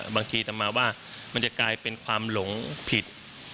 บางทีทำมาว่ามันจะกลายเป็นความหลงผิด